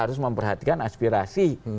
harus memperhatikan aspirasi